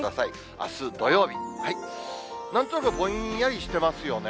あす土曜日、なんとなくぼんやりしてますよね。